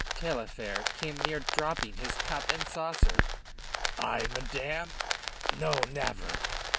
Taillefer came near dropping his cup and saucer. "I, madame? No, never."